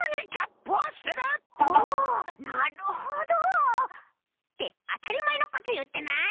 おおなるほど！ってあたりまえのこといってない？